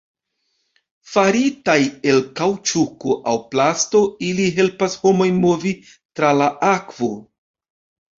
Faritaj el kaŭĉuko aŭ plasto, ili helpas homojn movi tra la akvo.